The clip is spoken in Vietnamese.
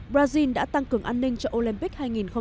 brazil đã tăng cường an ninh cho olympic hai nghìn một mươi sáu